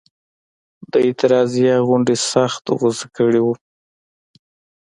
د اعتراضیه غونډې سخت غوسه کړي وو.